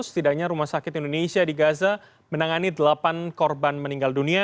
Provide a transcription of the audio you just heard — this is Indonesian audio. setidaknya rumah sakit indonesia di gaza menangani delapan korban meninggal dunia